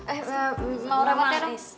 eh mau remotin dong